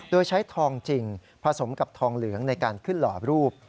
โดยใช้ทองจริงผสมกับทองเหลืองในการขึ้นหล่อรูป